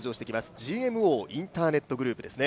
ＧＭＯインターネットグループですね。